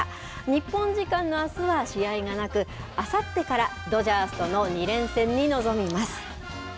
日本時間のあすは試合がなく、あさってからドジャースとの２連戦に臨みます。